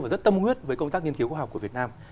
và rất tâm huyết với công tác nghiên cứu khoa học của việt nam